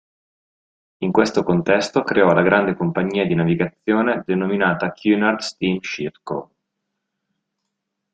In questo contesto creò la grande compagnia di navigazione denominata Cunard Steam Ship Co.